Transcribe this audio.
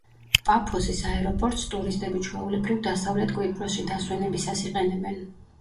პაფოსის აეროპორტს ტურისტები ჩვეულებრივ დასავლეთ კვიპროსში დასვენებისას იყენებენ.